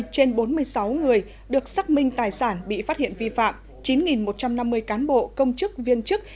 một mươi trên bốn mươi sáu người được xác minh tài sản bị phát hiện vi phạm chín một trăm năm mươi cán bộ công chức viên chức